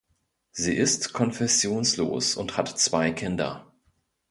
Sie ist konfessionslos und hat zwei Kinder.